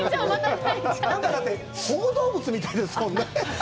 小動物みたいですもんね。